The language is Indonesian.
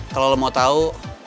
kalau lo mau tau